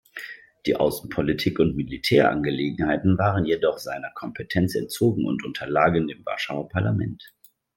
Die Außenpolitik und Militärangelegenheiten waren jedoch seiner Kompetenz entzogen und unterlagen dem Warschauer Parlament.